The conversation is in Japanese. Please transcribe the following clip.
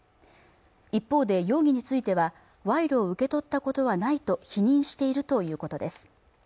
一方で容疑については賄賂を受け取ったことはないと否認しているということです